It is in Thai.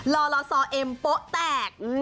ลอลอซอเอ็มโป๊ะแตก